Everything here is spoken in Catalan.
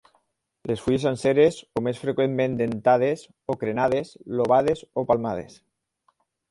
Les fulles senceres o més freqüentment dentades o crenades, lobades o palmades.